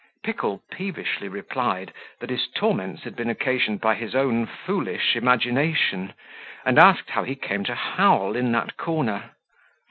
Pickle peevishly replied, that his torments had been occasioned by his own foolish imagination; and asked how he came to howl in that corner.